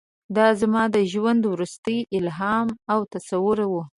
دا زما د ژوند وروستی الهام او تصور و.